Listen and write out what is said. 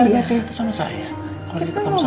kan dia cerita sama saya kalau dia ketemu sama kamu